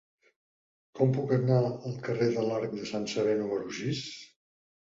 Com puc anar al carrer de l'Arc de Sant Sever número sis?